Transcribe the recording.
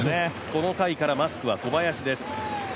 この回からマスクは小林です。